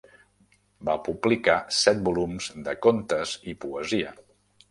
Va publicar set volums de contes i poesia.